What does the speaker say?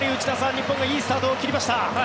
日本がいいスタートを切りました。